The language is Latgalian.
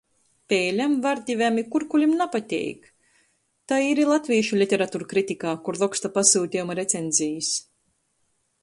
Peilem, vardivem i kurkulim napateik. Tai ir i latvīšu literaturkritikā, kur roksta pasyutejuma recenzejis.